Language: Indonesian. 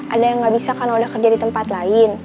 ada yang nggak bisa karena udah kerja di tempat lain